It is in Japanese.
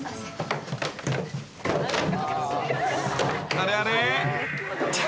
［あれあれ？］